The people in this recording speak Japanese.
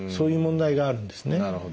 なるほど。